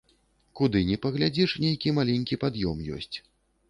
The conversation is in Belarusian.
Куды ні паглядзіш, нейкі маленькі пад'ём ёсць.